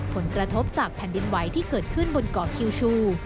ผลกระทบจากแผ่นดินไหวที่เกิดขึ้นบนเกาะคิวชู